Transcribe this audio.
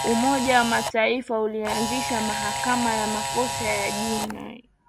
umoja wa mataifa ulianzisha mahakama ya makosa ya jinai